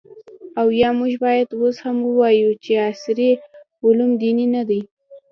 او آیا موږ باید اوس هم ووایو چې عصري علوم دیني نه دي؟